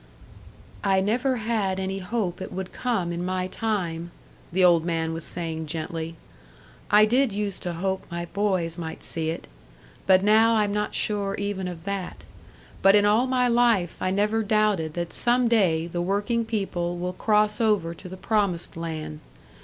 "I never had any hope it would come in my time," the old man was saying gently. "I did use to hope my boys might see it but now I'm not sure even of that. But in all my life I never doubted that some day the working people will cross over to the promised land.